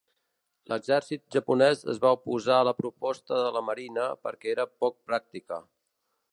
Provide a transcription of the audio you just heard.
L'exèrcit japonès es va oposar a la proposta de la Marina perquè era poc pràctica.